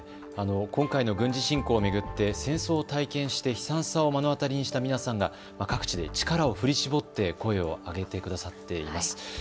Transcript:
今回の軍事侵攻を巡って戦争を体験して悲惨さを目の当たりにした皆さんが各地で力を振り絞って声を上げてくださっています。